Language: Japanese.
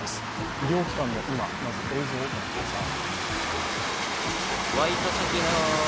医療機関の今、まず映像をご覧ください。